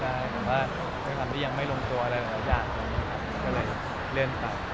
แต่ว่างั้นยังไม่ลงตัวหรืออะไรหรืออะไรอย่างนี้